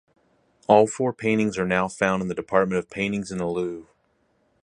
All four paintings are now found in the Department of Paintings in the Louvre.